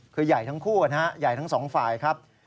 คือใหญ่ทั้งคู่นะฮะใหญ่ทั้งสองฝ่ายครับ